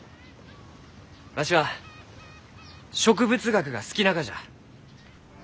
わしは植物学が好きながじゃ。